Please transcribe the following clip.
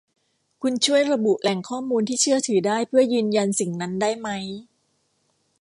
คุณช่วยระบุแหล่งข้อมูลที่เชื่อถือได้เพื่อยืนยันสิ่งนั้นได้มั้ย